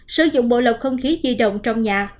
sử dụng bộ lọc không khí di động trong nhà